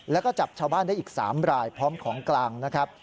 แล้วก็จับชาวบ้านได้อีก๓รายพร้อมของกลางนะครับ